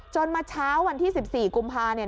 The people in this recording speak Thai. มาเช้าวันที่๑๔กุมภาเนี่ย